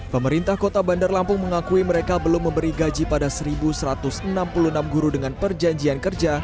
pemerintah kota bandar lampung mengakui mereka belum memberi gaji pada satu satu ratus enam puluh enam guru dengan perjanjian kerja